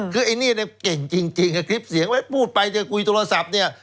คือไอ้นี่เนี่ยเก่งจริงกับคลิปเสียงไว้พูดไปจะคุยโทรศัพท์เนี่ย